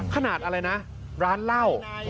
ขนาดอะไรนะร้านเหล้า